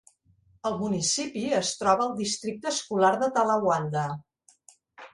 El municipi es troba al districte escolar de Talawanda.